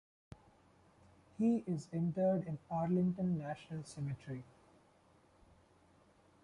He is interred in Arlington National Cemetery.